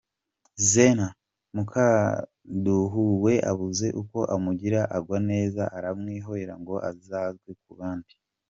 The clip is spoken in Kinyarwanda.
Zena Mukabuduwe abuze uko amugira agwa neza aramwihorera ngo azagwe ku bandi.